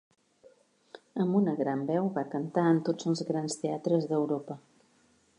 Amb una gran veu, va cantar en tots els grans teatres d'Europa.